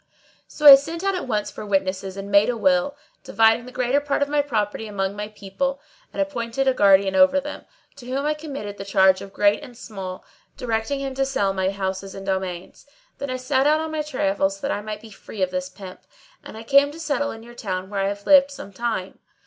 So I sent out at once for witnesses and made a will, dividing the greater part of my property among my people, and appointed a guardian over them, to whom I committed the charge of great and small, directing him to sell my houses and domains. Then I set out on my travels that I might be free of this pimp;[FN#631] and I came to settle in your town where I have lived some time.